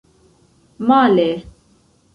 Male!